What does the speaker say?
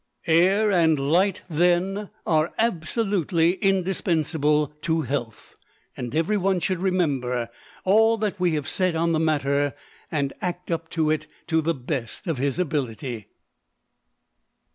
Air and light, then, are absolutely indispensable to health, and every one should remember all that we have said on the matter, and act up to it to the best of his ability.